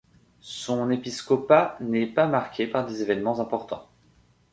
Son épiscopat n'est pas marqué par des évènements importants.